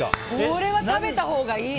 これは食べたほうがいい！